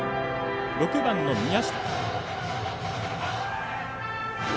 ６番、宮下。